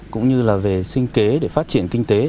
cũng như là về sinh kế để phát triển kinh tế